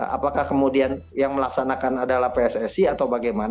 apakah kemudian yang melaksanakan adalah pssi